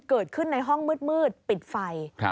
เกิดขึ้นในห้องมืดปิดไฟ